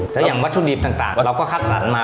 แล้วอย่างวัตถุดิบต่างเราก็คัดสรรมา